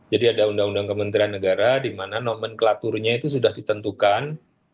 jadi ada undang undang kementerian negara di mana nomenklaturnya itu sudah ditentukan